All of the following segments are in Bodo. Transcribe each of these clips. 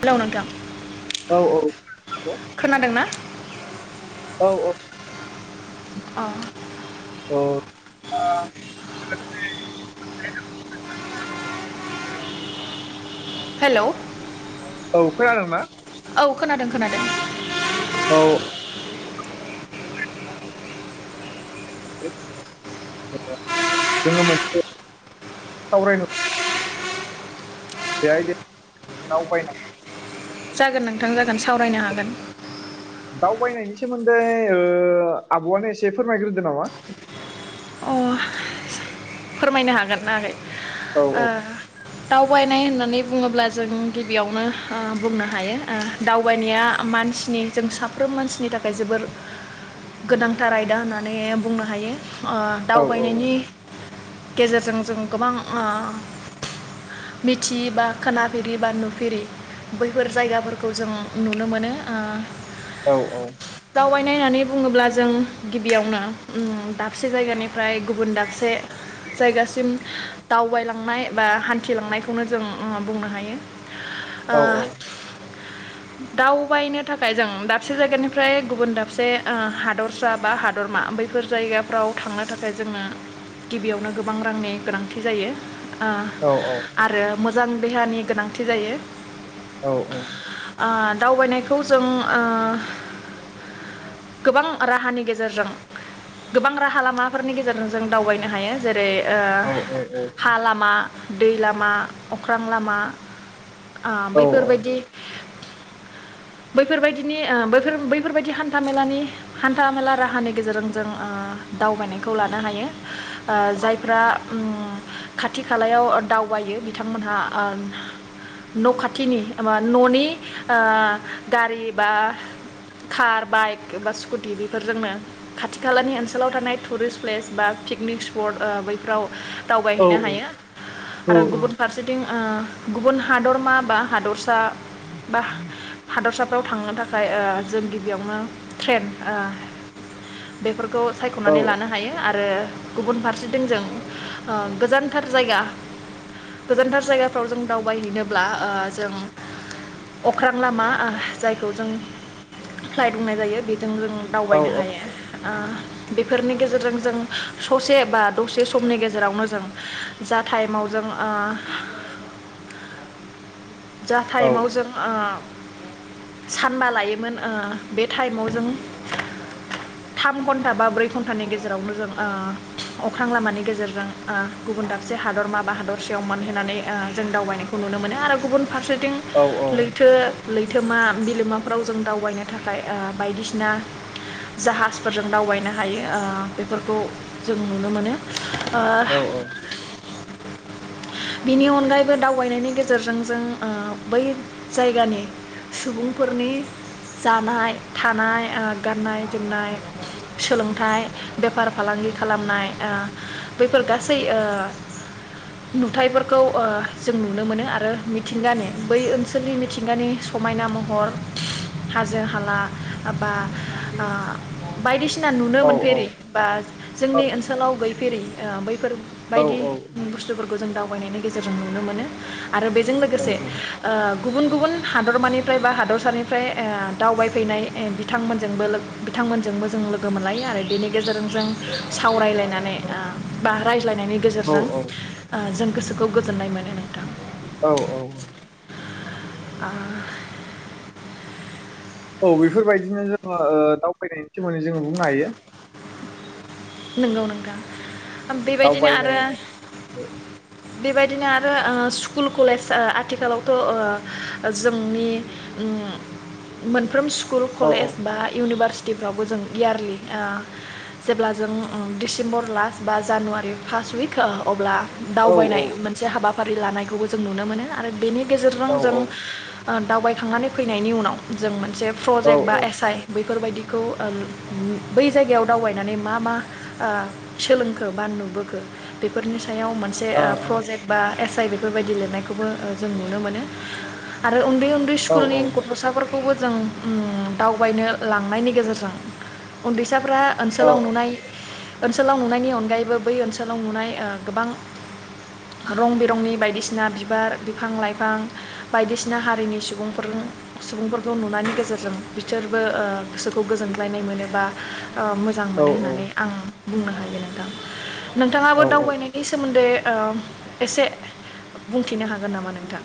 हेलौ नोंथां औ औ हेल' खोनादों ना औ औ अ [unintelligible] हेलौ औ खोनादों ना औ खोनादों खोनादों औ जोङो जोङो जोङो मोनसे सावरायनो बेहाय जोङो दावबायनाय जागोन नोंथां जागोन हागोन सावरायनो हागोन दावबायनायनि सोमोन्दै ओ आब'आनो एसे फोरमायग्रोदो नामा अ फोरमायनो हागोन आगै औ ओ दावबायनाय होननानै बुङोब्ला जों गिबियावनो ओ बुंनो हायो ओ दावबायनाया मानसिनि जों साफ्रोम मानसिनि थाखाय जोबोर गोनांथार आयदा होननानै बुंनो हायो ओ औ दावबायनायनि गेजेरजों जों गोबां ओ मिथियि बा खोनाफेरि बा नुफेरि बैफोर जायगाफोरखौ जों नुनो मोनो ओ औ औ दावबायनाय होननानै बुङोब्ला जों गिबियावनो ओम दाबसे जायगानिफ्राय गुबुन दाबसे जायगासिम दावबायलांनाय बा हान्थिलांनायखौनो जों ओ बुंनो हायो ओ औ दावबायनो थाखाय जों दाबसे जायगानिफ्राय गुबुन दाबसे ओ हादरसा बा हादरमा बैफोर जायगा फ्राव थांनो थाखाय जोङो गिबियावनो गोबां रांनि गोनांथि जायो ओ औ औ आरो मोज मोजां देहानि गोनांथि जायो औ औ ओ दावबायनायखौ जों ओ गोबां राहानि गेजेरजों गोबां राहा लामाफोरनि गेजेरजों जों दावबायनो हायो जेरै ओ हा लामा दै लामा अख्रां लामा ओ बैफोरबायदि बैफोर बायदिनिफोर बैफोरबायदि हान्थामेलानि हान्था मेला राहानि गेजेरजों जों ओ दावबायनायखौ लानो हायो जायफ्रा ओ खाथि खालायाव दावबायो बिथांमोनहा न' खाथिनि न'नि गारि बा कार बाइक बा स्कुटि बेफोरजोंनो खाथि आथि खालानि ओनसोलाव थानाय टुरिस्ट प्लेस बा पिकनिक स्पट ओ बैफ्राव दावबायहैनो हायो आरो गुबुन फारसेथिं ओ गुबुन हादरमा बा हादरसा बा हादरसा फ्राव थांनो थाखाय जों गिबियावनो ट्रेन बेफोरखौ खौ सायख'नानै लानो हायो आरो आरो गुबुन फारसेथिं जों ओ गोजानथार जायगा गोजानथार जायगाफोराव दावबाय हैनो ब्रा ओ जों अख्रां लामा जायखौ जों फ्लाइट बुंनाय जायो जों जों दावबायनो हायो ओ बेफोरनि गेजेरजों जों ससे बा दसे समनि गेजेरावनो जों जा टाइमाव जों जा टाइमाव जों ओ सानबा लायोमोन ओ बे टाइमाव जों थाम घन्टा बा ब्रै घन्टानि गेजेरावनो जों ओ अख्रां लामानि गेजेरजों ओ गुबुन दाबसे हादरमा बा हादरसेयाव मोनहैनानै ओ जों दावबायनायखौ नुनो मोनो आरो गुबुन फारसेथिं लैथो लैथोमा बिलोमाफ्राव जों दावबायनो थाखाय बायदिसिना जाहाज फोरजों दावबायनो हायो बेफोरखौ जों नुनो मोनो औ औ बिनि अनगायैबो दावबायनायनि गेजेरजों जों ओ बै जायगानि सुबुंफोरनि जानाय थानाय गाननाय जोमनाय सोलोंथाइ बेफार फालांगि खालामनाय ओ बैफोर गासै नुथायफोरखौ ओ जों नुनो मोनो आरो मिथिंगानि बै ओनसोलनि मिथिंगानि समायना महर हाजो हाला बा ओ बायदि सिना नुनो मोनफेरि बा जोंनि ओनसोलाव गै फेरि ओ बै फोर बायदि बुस्थुफोरखौ खौ जों दावबायनायनि गेजेरजों नुनो मोनो आरो बेजों लोगोसे ओ गुबुन गुबुन हादरमानिफ्राय बा हादरसानिफ्राय ओ दावबायफैनाय बिथांमोनजोंबो बिथांमोनजोंबो जों लोगो मोनलायो आरो बेनि गेजेरजों जों सावरायलायनानै बा रायलायनायनि गेजेरजों ओ जों गोसोखौ गोजोननाय मोनो नोथां औ औ औ आ औ बेफोरबायदिनो जोङो दावबायनायनि सोमोन्दै जोङो बुंनो हायो नंगौ नोंथां बेबायदिनो आरो दावबायनाय बेबायदिनो आरो ओ स्कुल कलेज आथिखालावथ' जोंनि ओम मोनफ्रोम सु स्कुल औ कलेज बा इउनिभारसि फ्रावबो जों इयारलि जेब्ला जों ओ दिसेम्बर लास्ट बा जानुवारि फार्स्ट उइक अब्ला औ दावबायनाय मोनसे हाबा फारि लानायखौबो जों नुनो मोनो आरो बेनि गेजेरजों औ जों दावबायखांनानै फैनायनि उनाव जों मोनसे औ प्रजेक्ट बा एस आइ बेफोरबायदिखौ उम बै जायगायाव दावबायनानै मा मा ओ सोलोंखो बा नुबोखो बेफोरनि सा याव मोनसे औ प्रजेक्ट बा एस जाय बेफोरबायदि लिरनायखौबो जों नुनो मोनो आरो उन्दै उन्दै औ स्कुलनि गथ'साफोर खौबो जों दावबायनो लांनायनि गेजेरजों उन्दै साफ्रा औ ओनसोलाव ओनसोलाव नुनायनि अनगायैबो बै ओनसोलाव नुनाय ओ गोबां रं बिरंनि बायदिसिना बिबार बिफां लाइफां बायदिसिना हारिनि सुबुंफोर सुबुंफोरखौ नुनायनि गेजेरजों बिसोरबो ओ गोसोखौ गोजोनग्लायनाय मोनो बा मोजां औ होननानै आं बुंनो हायो नोंथां नोंथाङाबो दावबायनायनि सोमोन्दै एसे बुंथिनो हागोन नामा नोंथां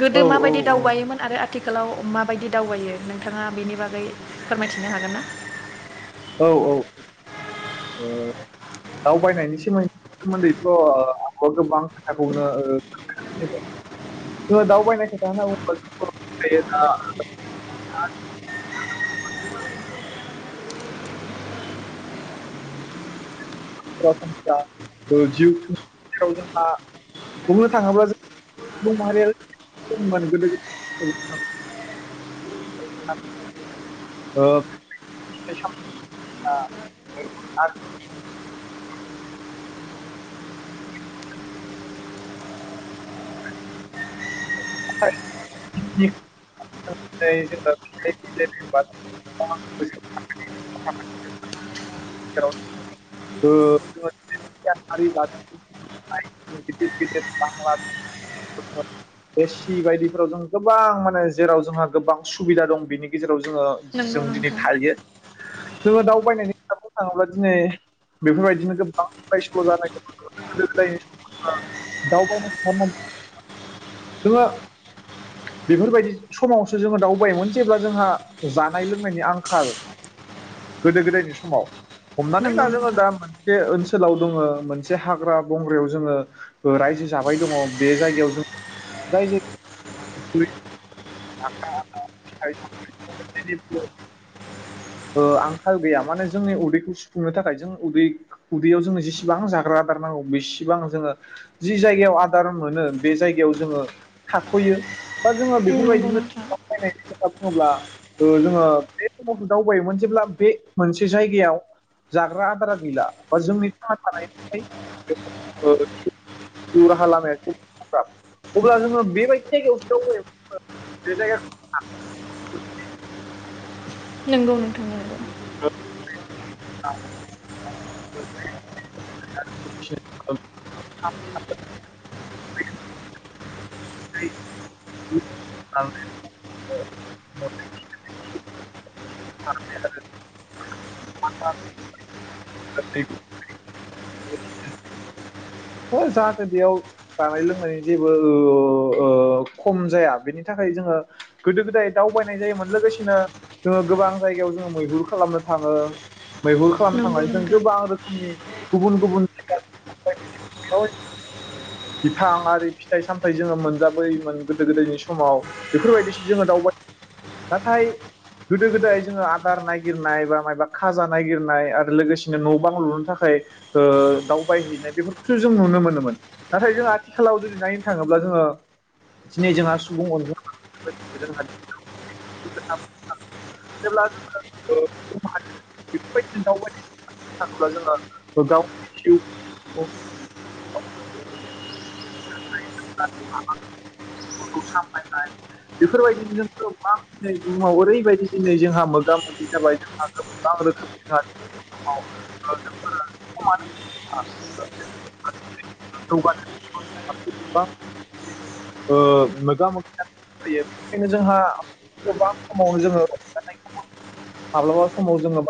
गोदो माबायदि दावबायोमोन आरो आ थिखालाव माबायदि दावबायो नोंथाङा बेनि बागै फोरमायथिनो हागोन ना औ औ ओ दावबायनायनि सोमोन्दैथ' आ गोबां खोथाखौनो ओ जोङो दावबायनाय खोथा होनना बुङोबा दा [unintelligible] जोंहा बुंनो थाङोब्ला जों सुबुं माहारिया [unintelligible] [unintelligible] औ [unintelligible] गिदिर एसि बायदिफोराव जों गोबां माने जेराव जोंहा गोबां सुबिदा दं बेनि गेजेराव नंगौ जों दिनै नोंथां थायो जोङो दावबायनायनि खोथा बुंनो थाङोब्ला दिनै बेफोरबायदिनो गोबां [unintelligible] गोदो गोदायनि ओ जोङो बेफोरबायदि समावसो जोङो दावबायोमोन जेब्ला जोंहा जानाय लोंनायनि आंखाल गोदो गोदायनि समाव हमनानै नंगौ ला जोङो नोंथां मोनसे ओनसोलाव दङो मोनसे हाग्रा बंग्रायाव जोङो रायजो जाबाय दङ बे जायगायाव जों जाय जाय [unintelligible] ओ आंखाल गैया माने जोंनि उदैखौ सुफुंनो थाखाय जों उदै उदैयाव जोङो जेसेबां जाग्रा आदार नांगौ बेसेबां जोङो जि जायगायाव आदार मोनो बे जायगायाव जोङो थाथयो बा जोङो नंगौ बेफोरबायदिनो नोंथां खोथा बुङोब्ला जोङो बे समाव दावबायोमोन जेब्ला बे मोनसे जायगायाव जाग्रा आदारा गैला बा जोंनि थां थानाय जिउ राहा लामाय अब्ला जोङो बेबायदि जायगायावसो दावबायोमोन बे जायगाखौ नोंगौ नोंथां नंगौ। [unintelligible] [unintelligible] [unintelligible] जाहाथे हो जाहाथे बेयाव जानाय लोंनायनि जेबो ओ खम जाया बेनि थाखाय जोङो गोदो गोदाय दावबायनाय जायोमोन लोगोसेनो जोङो गोबां जायगायाव जोङो मैहुर खालामनो थाङो। मैहुर खालामनो नंगौ नंगौ थांनानै जों नोंथां गोबां रोखोमनि गुबुन गुबुन [unintelligible] बिफां आरि फिथाइ सामथायाइ जोङो मोनजाबोयोमोन गोदो गोदायनि समाव बेफोरबायदिसो जोङो दावबाय नाथाय गोदो गोदाय जोङो आदार नागिरनाय बा माबा खाजा नायगिरनाय आरो लोगोसेनो न' बां लुनो थाखाय ओ दावबायहैनाय बेफोरखौसो जों नुनो मोनोमोन। नाथाय जों आथिखालाव जुदि नायनो थाङोब्ला जोङो दिनै जोंहा सुबुं अनजिमा [unintelligible] जेब्ला जोङो बेफोरबायदि दावबाय थाङोब्ला जोङो गावनि जिउ [unintelligible] फोरखौ सामलायनाय बेफोरबायदिनो जों गोबां दिनै बुहुमाव ओरैबायदि दिनै जोंहा मोगा मोगि जाबाय जोंहा गोबां रोखोमै जोंहा नआव जोंफोरा समान आं [unintelligible] जौगानो बा ओ मोगा मोगि ज जायो बेनिखायनो जोंहा गोबां समावनो जोङो जानाय माब्लाबा समाव जोङो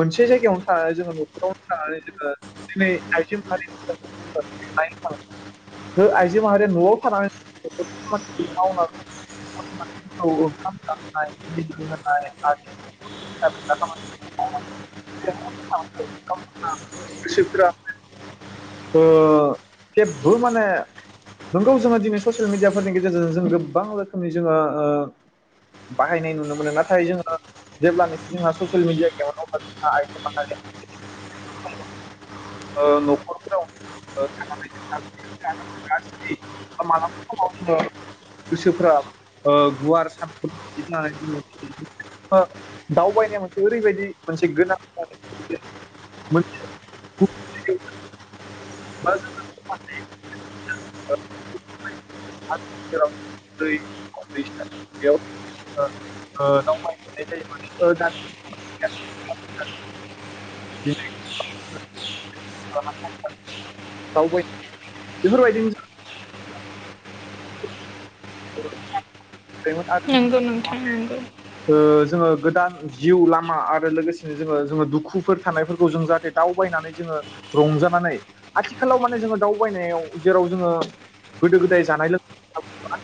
मोनसे जायगायावनो थानानै जोङो न'खरावनो थानानै जोङो दिनै आइजो माहारिनि थाखाय [unintelligible] ओ आइजो आइजो माहारि न'आव थानानै बेफोर खामानिखौ मावना औ ओंखाम गांनाय [unintelligible] गोसोफोरा ओ जेबो माने नंगौ जोङो दिनै ससियेल मिडियाफोरनि गेजेरजों जों गोबां रोखोमनि जोङो ओ बाहायनाय नुनो मोनो नाथाय जोङो जेब्लानोखि जोंहा ससियेल मिडिया एकाउन्टआव जोंहा आइजो माहारिया [unintelligible] ओ नखर फ्राव थानानै जों मालाबा समाव जोङो गोसोफ्रा ओ गुवार साननानै हो दावबायनाया मोनसे ओरैबायदि मोनसे गोनांथार [unintelligible] बा जोङो [unintelligible] आथिखालाव दै दै सेराव ओ ओ दावबायहैनाय जायोमोन [unintelligible] [unintelligible] ओ दावबाय बेफोरबायदिनो जों [unintelligible] मोन आरो जों नंगौ नोंथां नंगौ ओ जोङो गोदान जिउ लामा आरो लोगोसेनो जोङो जोङो दुखुफोर थानायफोरखौ जों जाहाथे दावबायनानै जोङो रंजानानै आथिखालाव माने जोङो दावबायनायाव जेराव जोङो गोदो गोदाय जानाय लोंनायाव बा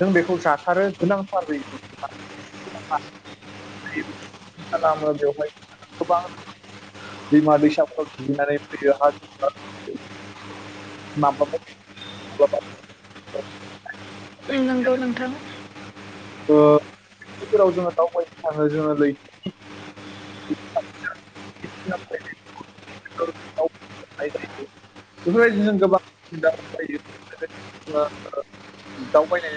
जों बेखौ जाथारो नांथारै [unintelligible] खालामो बेवहाय गोबां दैमा दैसाफोराव दुगैनानै फैयो हाजो [unintelligible] उम नंगौ नोंथां। ओ दावबायनो थाङ जोङो लैथोनि [unintelligible] बेफोरबायदिनो जों गोबां ओ दावबायनाय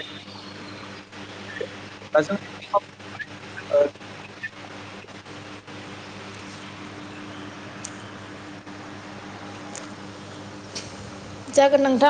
दा जोङो जागोन नोंथां।